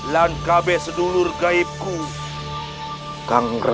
dan kau akan menerima kesempatan aku